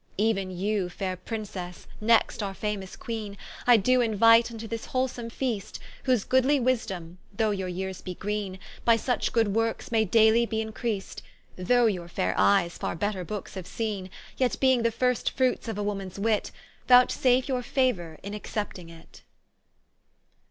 Euen you faire Princesse next our famous Queene, I doe inuite vnto this wholesome feast, Whose goodly wisedome, though your yeares be greene, By such good workes may daily be increast, Though your faire eyes farre better Bookes haue seene; Yet being the first fruits of a womans wit, Vouchsafe you[r] fauour in accepting it.